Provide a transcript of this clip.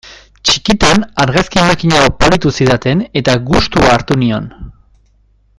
Txikitan argazki makina oparitu zidaten eta gustua hartu nion.